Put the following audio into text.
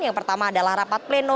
yang pertama adalah rapat pleno